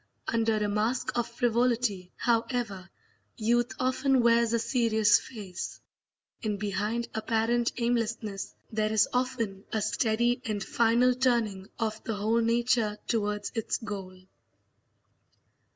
Under a mask of frivolity, however, youth often wears a serious face, and behind apparent aimlessness there is often a steady and final turning of the whole nature towards its goal.